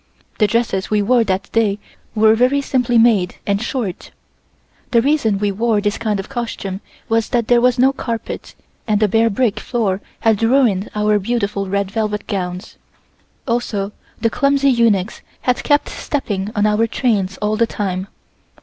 The dresses we wore that day were very simply made and short. The reason we wore this kind of costume was that there was no carpet and the bare brick floor had ruined our beautiful red velvet gowns, also the clumsy eunuchs had kept stepping on our trains all the time.